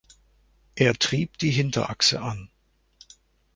Er trieb die Hinterachse an.